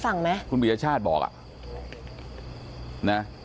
ฐานพระพุทธรูปทองคำ